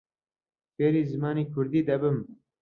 فێری زمانی کوردی دەبم.